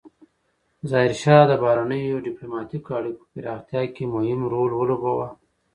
ظاهرشاه د بهرنیو ډیپلوماتیکو اړیکو په پراختیا کې مهم رول ولوباوه.